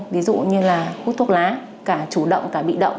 ví dụ như là hút thuốc lá cả chủ động cả bị động